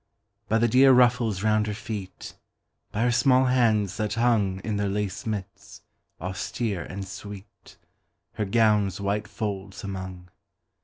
By the dear ruffles round her feet, By her small hands that hungIn their lace mitts, austere and sweet, Her gown's white folds among.